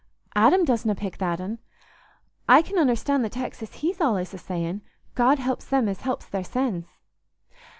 Adam doesna pick a that'n; I can understan' the tex as he's allays a sayin', 'God helps them as helps theirsens.